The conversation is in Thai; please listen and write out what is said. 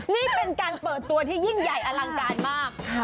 นี่เป็นการเปิดตัวที่ยิ่งใหญ่อลังการมาก